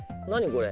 これ。